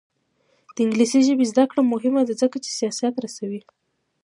د انګلیسي ژبې زده کړه مهمه ده ځکه چې سیاست رسوي.